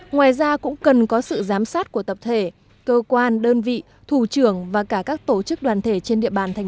ngoài ra cũng cần có sự giám sát của tập thể cơ quan đơn vị thủ trưởng và cả các tổ chức đoàn thể trên địa bàn thành